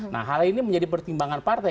nah hal ini menjadi pertimbangan partai